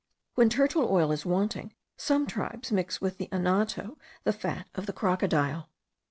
When turtle oil is wanting, some tribes mix with the anato the fat of the crocodile.